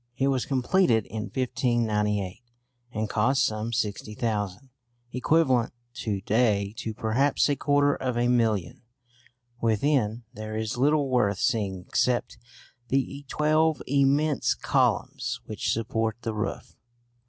It was completed in 1598 and cost some £60,000, equivalent to day to perhaps a quarter of a million. Within, there is little worth seeing except the twelve immense columns which support the roof.